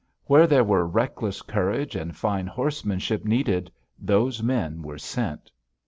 Where there were reckless courage and fine horsemanship needed, those men were sent.